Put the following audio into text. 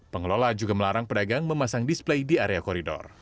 pengelola juga melarang pedagang memasang display di area koridor